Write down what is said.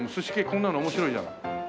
こんなの面白いじゃない。